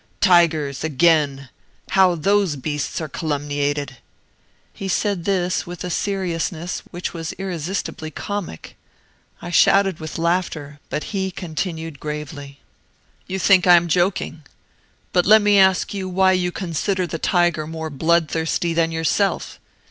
"Tigers, again how those beasts are calumniated!" He said this with a seriousness which was irresistibly comic. I shouted with laughter; but he continued gravely: "You think I am joking. But let me ask you why you consider the tiger more bloodthirsty than yourself?